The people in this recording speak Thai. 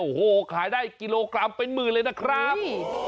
โอ้โหขายได้กิโลกรัมเป็นหมื่นเลยนะครับ